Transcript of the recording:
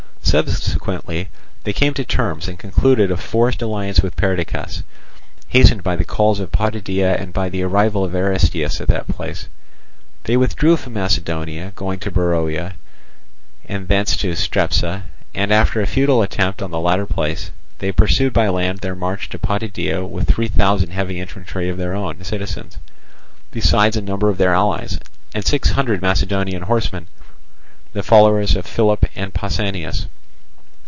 Subsequently they came to terms and concluded a forced alliance with Perdiccas, hastened by the calls of Potidæa and by the arrival of Aristeus at that place. They withdrew from Macedonia, going to Beroea and thence to Strepsa, and, after a futile attempt on the latter place, they pursued by land their march to Potidæa with three thousand heavy infantry of their own citizens, besides a number of their allies, and six hundred Macedonian horsemen, the followers of Philip and Pausanias.